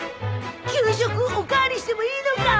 給食お代わりしてもいいのかー？